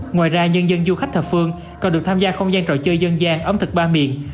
ngoài ra nhân dân du khách thập phương còn được tham gia không gian trò chơi dân gian ẩm thực ba miền